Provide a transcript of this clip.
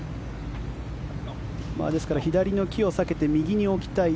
ですから、左の木を避けて右に置きたい。